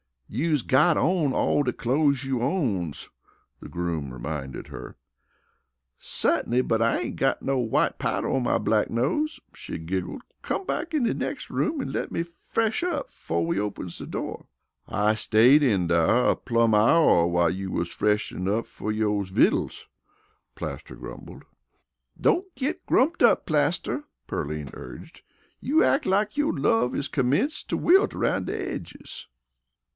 "You's got on all de clothes you owns," the groom reminded her. "Suttinly, but I ain't got no white powder on my black nose," she giggled. "Come back in de nex' room an' let me fresh up befo' we opens de door." "I stayed in dar a plum' hour while you wus freshin' up fer yo' viteles," Plaster grumbled. "Don't git grumped up, Plaster," Pearline urged. "You ack like yo' love is commenced to wilt aroun' de edges."